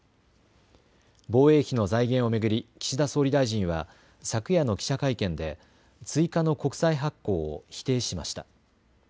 防衛費の財源を巡り岸田総理大臣は昨夜の記者会見で追加の国債発行を否定しました。